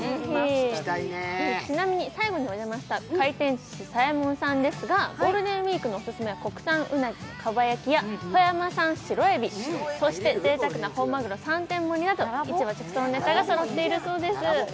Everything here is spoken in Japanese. ちなみに最後に訪れました回転寿司左衛門さんですが、ゴールデンウイークのオススメは国産うなぎ蒲焼きや富山産白えび、ぜいたくな本まぐろ三点盛りなど、市場直送のネタがそろっているそうです。